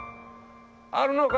あるのか？